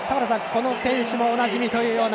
この選手もおなじみというような。